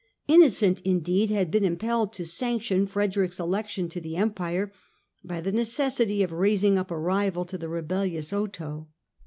Innocent, in deed, had been impelled to sanction Frederick's election to the Empire by the necessity of raising up a rival to the rebellious Otho.